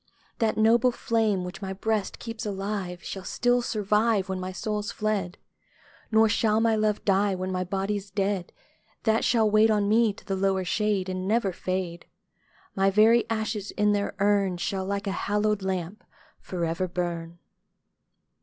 That noble flame, which my Ijreast keeps alive. Shall still survive Wlien my soul's fled ; Nor shall my love die, when ray Ijody's dead ; That shall wait on me to the lower shade, And never fade : My very ashes in their urn Shall, like a hallowed lamp, for ever burn.